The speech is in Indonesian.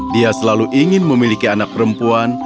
dia selalu ingin memiliki anak perempuan